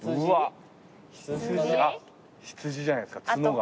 羊じゃないですか角が。